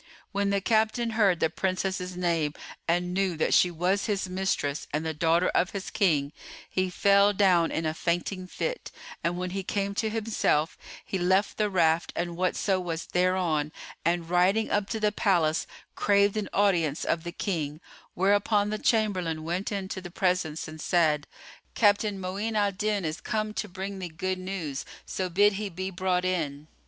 When the captain heard the Princess's name and knew that she was his mistress and the daughter of his King, he fell down in a fainting fit, and when he came to himself, he left the raft and whatso was thereon and riding up to the palace, craved an audience of the King; whereupon the chamberlain went in to the presence and said, "Captain Mu'in al Din is come to bring thee good news; so bid he be brought in."